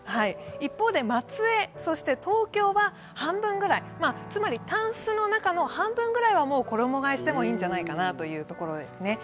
一方で松江、東京は半分ぐらい、つまりたんすの中の半分ぐらいはもう衣がえしても、いいんじゃないかなというところですね。